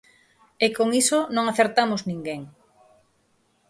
E con iso non acertamos ninguén.